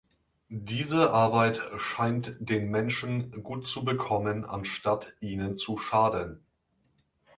Diese Arbeit scheint den Menschen gut zu bekommen, anstatt ihnen zu schaden.